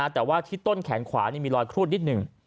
แต่ว่าที่ต้นแขนขวามีรอยครูดนิดหนึ่ง